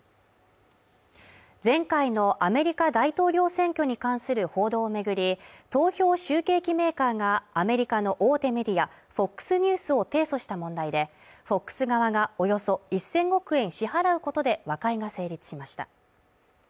前回のアメリカ大統領選挙に関する報道を巡り投票集計機メーカーがアメリカの大手メディアＦＯＸニュースを提訴した問題で、ＦＯＸ側がおよそ１０００億円支払うことで和解が成立しました。